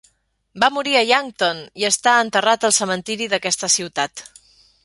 Va morir a Yankton i està enterrat al cementiri d'aquesta ciutat.